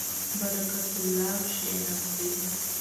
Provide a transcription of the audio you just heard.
برکت الله کښېنست.